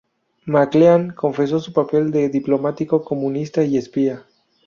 Maclean confesó su papel de diplomático, comunista y espía.